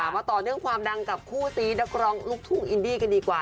มาต่อเนื่องความดังกับคู่ซีนักร้องลูกทุ่งอินดี้กันดีกว่า